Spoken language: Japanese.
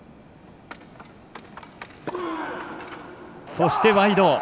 そして、ワイド！